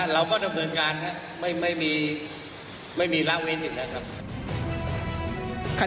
เราก็ดำเนินการครับไม่มีละเว้นอีกแล้วครับ